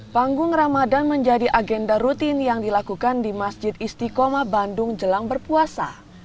panggung ramadan menjadi agenda rutin yang dilakukan di masjid istiqomah bandung jelang berpuasa